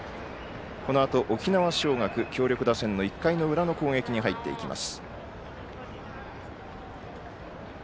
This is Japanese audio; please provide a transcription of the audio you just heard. このあと沖縄尚学強力打線の１回の裏の攻撃に入っていきます。